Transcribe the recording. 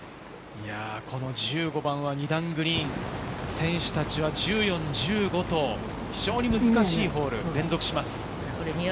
１５番は２段グリーン、選手たちは１４、１５と非常に難しいボールが連続します。